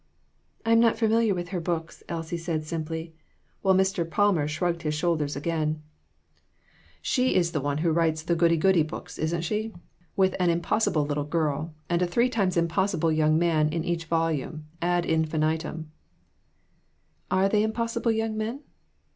" I'm not familiar with her books," Elsie said, simply, while Mr. Palmer shrugged his shoulders again. 220 CHARACTER STUDIES. "She is the one who writes the goody goody books, isn't she? With an impossible little girl, and a three times impossible young man in each volume, ad infinitum" " Are they impossible young men